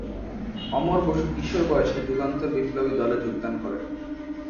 অমর বসু কিশোর বয়সে যুগান্তর বিপ্লবী দলে যোগদান করেন।